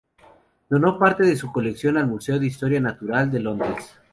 Donó parte de su colección al Museo de Historia Natural de Londres.